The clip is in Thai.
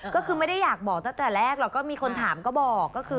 ก็คือไม่ได้อยากบอกตั้งแต่แรกมีคนถามก็บอก